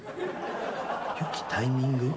よきタイミング？